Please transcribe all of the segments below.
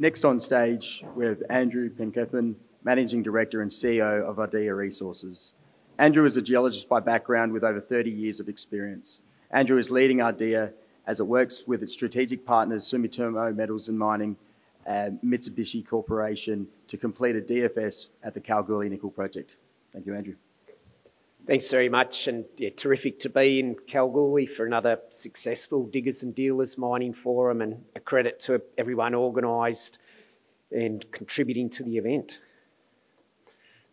Next on stage with Andrew Penkethman, Managing Director and CEO of Ardea Resources. Andrew is a geologist by background with over 30 years of experience. Andrew is leading Ardea as it works with its strategic partners, Sumitomo Metal Mining and Mitsubishi Corporation, to complete a DFS at the Kalgoorlie Nickel Project. Thank you, Andrew. Thanks very much, and terrific to be in Kalgoorlie for another successful Diggers and Dealers Mining Forum and a credit to everyone organized and contributing to the event.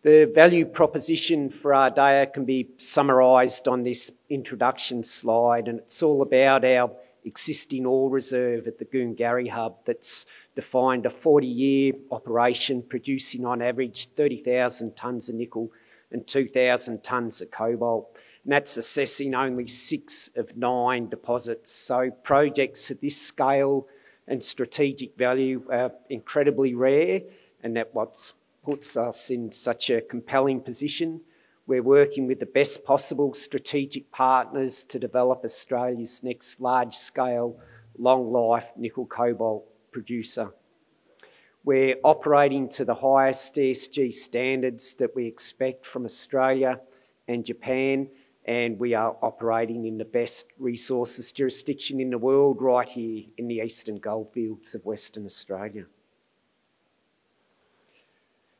The value proposition for Ardea can be summarized on this introduction slide, and it's all about our existing ore reserve at the Goongarrie Hub that's defined a 40-year operation, producing on average 30,000 tons of nickel and 2,000 tons of cobalt. That's assessing only six of nine deposits. Projects at this scale and strategic value are incredibly rare, and that is what puts us in such a compelling position. We're working with the best possible strategic partners to develop Australia's next large-scale, long-life nickel-cobalt producer. We're operating to the highest ESG standards that we expect from Australia and Japan, and we are operating in the best resources jurisdiction in the world right here in the Eastern Goldfields of Western Australia.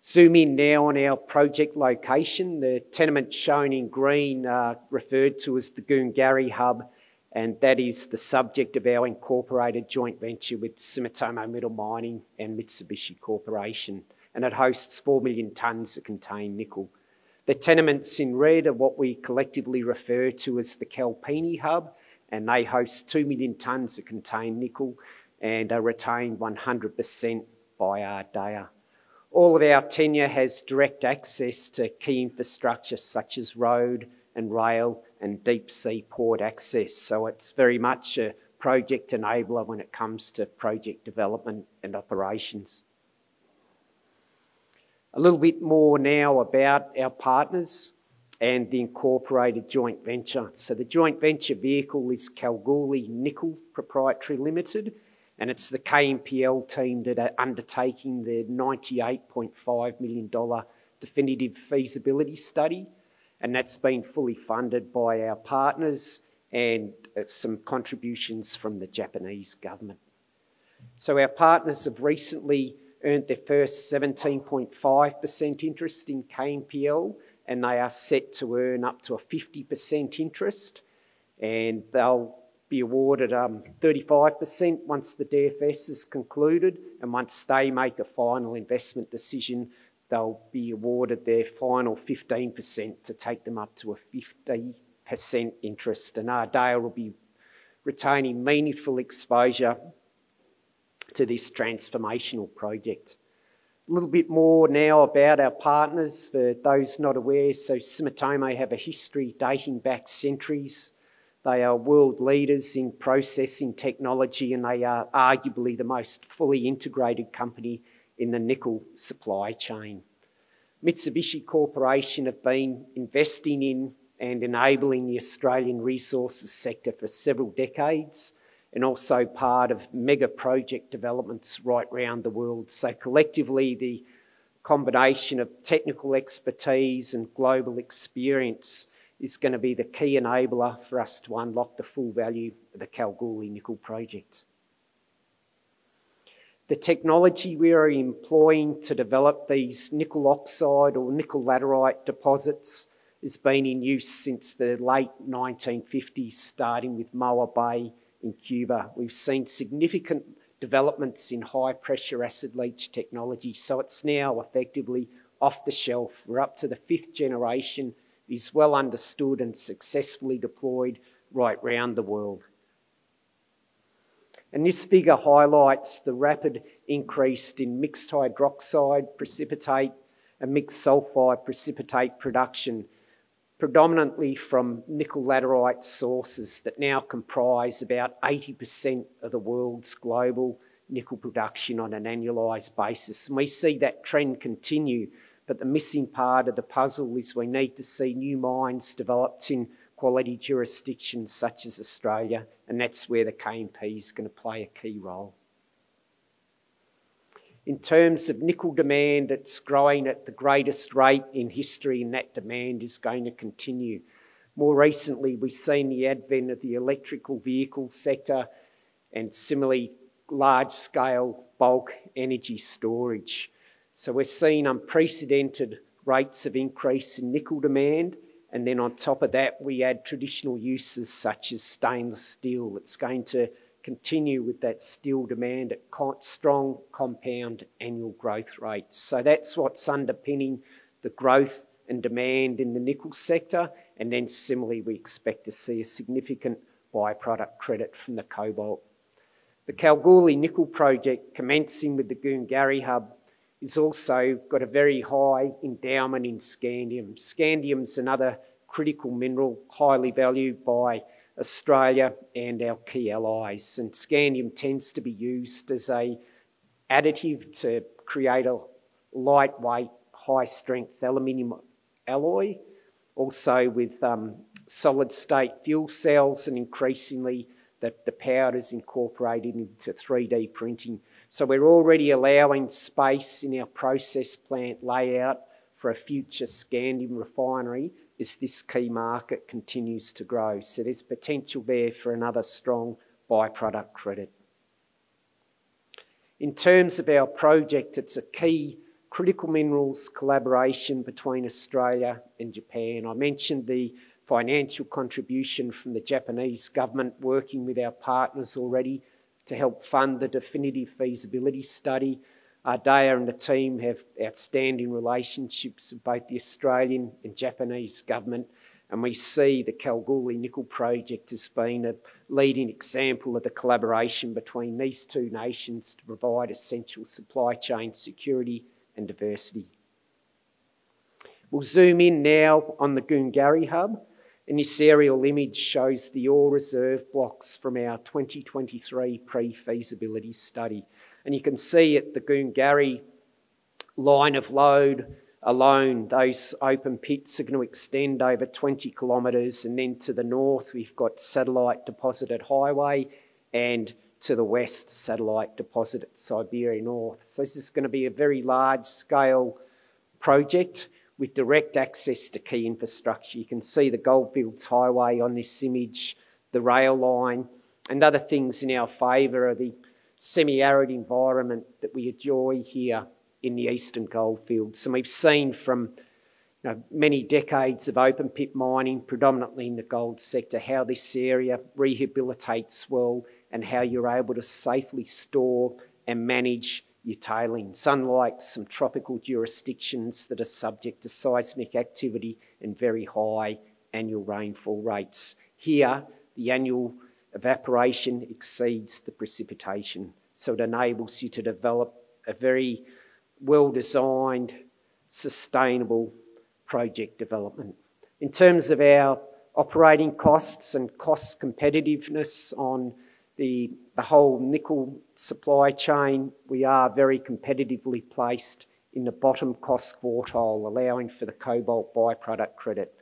Zoom in now on our project location. The tenement shown in green is referred to as the Goongarrie Hub, and that is the subject of our incorporated joint venture with Sumitomo Metal Mining and Mitsubishi Corporation, and it hosts 4 million tons of contained nickel. The tenements in red are what we collectively refer to as the Kalpini Hub, and they host 2 million tons of contained nickel and are retained 100% by Ardea. All of our tenure has direct access to key infrastructure such as road and rail and deep-sea port access, so it's very much a project enabler when it comes to project development and operations. A little bit more now about our partners and the incorporated joint venture. The joint venture vehicle is Kalgoorlie Nickel Pty Ltd, and it's the KNPL team that are undertaking the $98.5 million definitive feasibility study, and that's been fully funded by our partners and some contributions from the Japanese government. Our partners have recently earned their first 17.5% interest in KNPL, and they are set to earn up to a 50% interest, and they'll be awarded 35% once the DFS is concluded. Once they make a final investment decision, they'll be awarded their final 15% to take them up to a 50% interest, and Ardea will be retaining meaningful exposure to this transformational project. A little bit more now about our partners for those not aware. Sumitomo have a history dating back centuries. They are world leaders in processing technology, and they are arguably the most fully integrated company in the nickel supply chain. Mitsubishi Corporation has been investing in and enabling the Australian resources sector for several decades and also part of mega project developments right around the world. Collectively, the combination of technical expertise and global experience is going to be the key enabler for us to unlock the full value of the Kalgoorlie Nickel Project. The technology we are employing to develop these nickel oxide or nickel laterite deposits has been in use since the late 1950s, starting with Moa Bay in Cuba. We've seen significant developments in high-pressure acid leach technology, so it's now effectively off the shelf. We're up to the fifth generation. It is well understood and successfully deployed right around the world. This figure highlights the rapid increase in mixed hydroxide precipitate and mixed sulphur precipitate production, predominantly from nickel laterite sources that now comprise about 80% of the world's global nickel production on an annualized basis. We see that trend continue, but the missing part of the puzzle is we need to see new mines developed in quality jurisdictions such as Australia, and that's where the KNP is going to play a key role. In terms of nickel demand, it's growing at the greatest rate in history, and that demand is going to continue. More recently, we've seen the advent of the electric vehicle sector and similarly large-scale bulk energy storage. We're seeing unprecedented rates of increase in nickel demand, and then on top of that, we add traditional uses such as stainless steel. It's going to continue with that steel demand at quite strong compound annual growth rates. That's what's underpinning the growth and demand in the nickel sector. Similarly, we expect to see a significant byproduct credit from the cobalt. The Kalgoorlie Nickel Project, commencing with the Goongarrie Hub, has also got a very high endowment in scandium. Scandium is another critical mineral highly valued by Australia and our key allies, and scandium tends to be used as an additive to create a lightweight, high-strength aluminum alloy. Also with solid-state fuel cells and increasingly the powder is incorporated into 3D printing. We're already allowing space in our process plant layout for a future scandium refinery as this key market continues to grow. There's potential there for another strong byproduct credit. In terms of our project, it's a key critical minerals collaboration between Australia and Japan. I mentioned the financial contribution from the Japanese government working with our partners already to help fund the definitive feasibility study. Ardea and the team have outstanding relationships with both the Australian and Japanese government, and we see the Kalgoorlie Nickel Project as being a leading example of the collaboration between these two nations to provide essential supply chain security and diversity. We'll zoom in now on the Goongarrie Hub, and this aerial image shows the ore reserve blocks from our 2023 pre-feasibility study. You can see at the Goongarrie line of lode alone, those open pits are going to extend over 20 kilometers. To the north, we've got a satellite deposit at Highway, and to the west, a satellite deposit at Siberia North. This is going to be a very large-scale project with direct access to key infrastructure. You can see the Goldfields Highway on this image, the rail line, and other things in our favor are the semi-arid environment that we enjoy here in the Eastern Goldfields. We've seen from many decades of open pit mining, predominantly in the gold sector, how this area rehabilitates well and how you're able to safely store and manage your tailings. Unlike some tropical jurisdictions that are subject to seismic activity and very high annual rainfall rates, here the annual evaporation exceeds the precipitation. It enables you to develop a very well-designed, sustainable project development. In terms of our operating costs and cost competitiveness on the whole nickel supply chain, we are very competitively placed in the bottom cost quartile, allowing for the cobalt byproduct credit.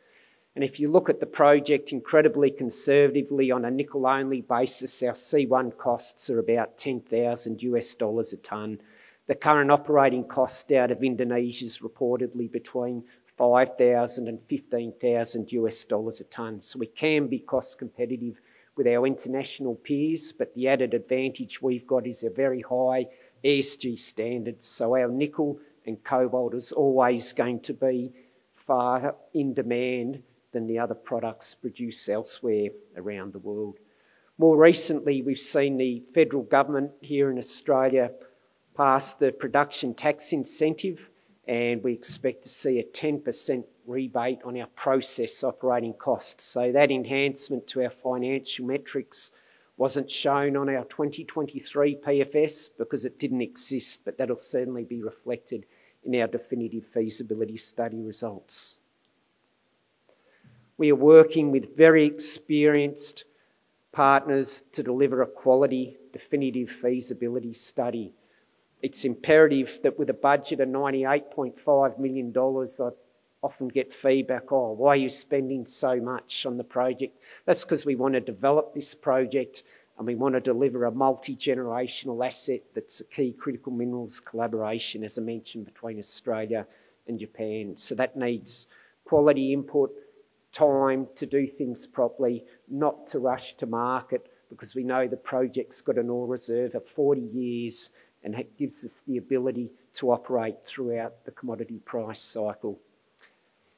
If you look at the project incredibly conservatively on a nickel-only basis, our C1 costs are about $10,000 a ton. The current operating cost out of Indonesia is reportedly between $5,000 and $15,000 a ton. We can be cost competitive with our international peers, but the added advantage we've got is a very high ESG standard. Our nickel and cobalt is always going to be far in demand than the other products produced elsewhere around the world. More recently, we've seen the federal government here in Australia pass the production tax incentive, and we expect to see a 10% rebate on our process operating costs. That enhancement to our financial metrics wasn't shown on our 2023 PFS because it didn't exist, but that'll certainly be reflected in our definitive feasibility study results. We are working with very experienced partners to deliver a quality definitive feasibility study. It's imperative that with a budget of $98.5 million, I often get feedback, "Oh, why are you spending so much on the project?" That's because we want to develop this project and we want to deliver a multi-generational asset that's a key critical minerals collaboration, as I mentioned, between Australia and Japan. That needs quality input, time to do things properly, not to rush to market because we know the project's got an ore reserve of 40 years and that gives us the ability to operate throughout the commodity price cycle.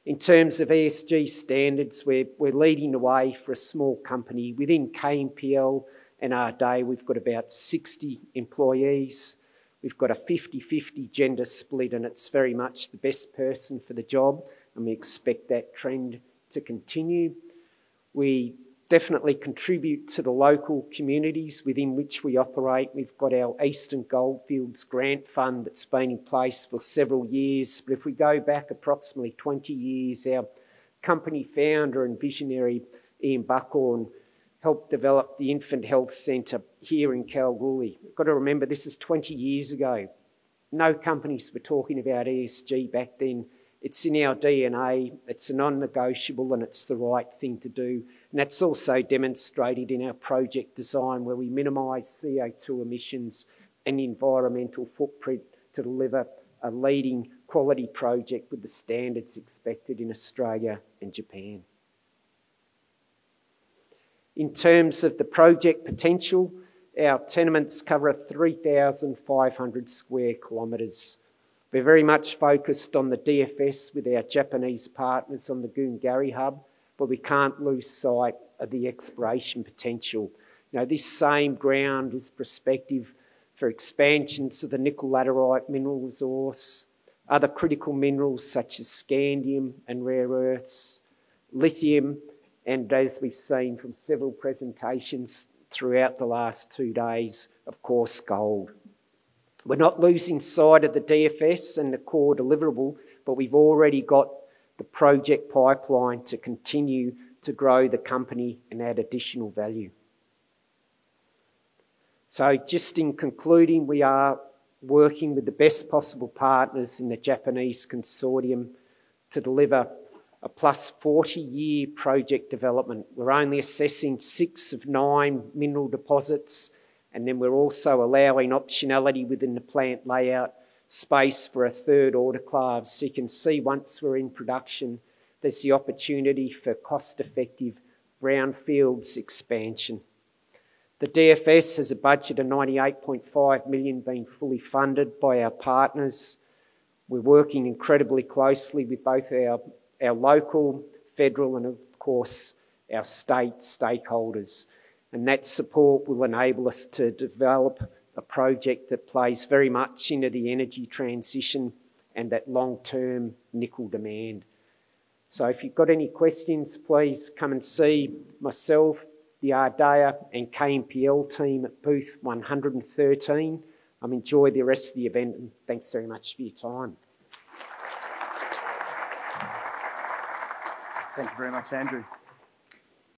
In terms of ESG standards, we're leading the way for a small company within KNPL and Ardea. We've got about 60 employees. We've got a 50/50 gender split, and it's very much the best person for the job, and we expect that trend to continue. We definitely contribute to the local communities within which we operate. We've got our Eastern Goldfields grant fund that's been in place for several years. If we go back approximately 20 years, our company founder and visionary, Ian Buckhorn, helped develop the infant health centre here in Kalgoorlie. We've got to remember this is 20 years ago. No companies were talking about ESG back then. It's in our DNA. It's a non-negotiable and it's the right thing to do. That's also demonstrated in our project design where we minimize CO2 emissions and the environmental footprint to deliver a leading quality project with the standards expected in Australia and Japan. In terms of the project potential, our tenements cover 3,500 square kilometers. We're very much focused on the DFS with our Japanese partners on the Goongarrie Hub, but we can't lose sight of the exploration potential. This same ground is prospective for expansions of the nickel laterite mineral resource, other critical minerals such as scandium and rare earths, lithium, and as we've seen from several presentations throughout the last two days, of course, gold. We're not losing sight of the DFS and the core deliverable, but we've already got the project pipeline to continue to grow the company and add additional value. Just in concluding, we are working with the best possible partners in the Japanese consortium to deliver a plus 40-year project development. We're only assessing six of nine mineral deposits, and then we're also allowing optionality within the plant layout space for a third order cloud. You can see once we're in production, there's the opportunity for cost-effective brownfields expansion. The DFS has a budget of $98.5 million being fully funded by our partners. We're working incredibly closely with both our local, federal, and of course, our state stakeholders, and that support will enable us to develop a project that plays very much into the energy transition and that long-term nickel demand. If you've got any questions, please come and see myself, the Ardea and KNPL team at Booth 113. I'm enjoying the rest of the event, and thanks very much for your time. Thank you very much, Andrew.